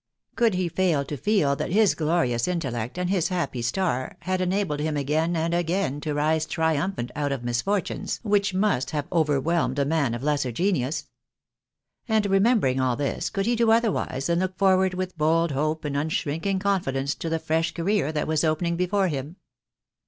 — could he fail to feel that his glorious intellect and his happy star had enabled him again and again to rise triumphant out of misfortunes, which must have overwhelmed a man of lesser genius? And remembering all this, could he do otherwise than look forward with bold hope and un shrinking confidence to the fresh career that was opening before him?